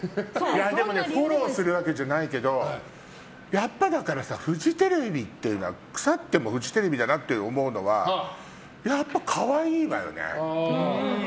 フォローするわけじゃないけどやっぱり、フジテレビって腐ってもフジテレビだなって思うのはやっぱ可愛いわよね。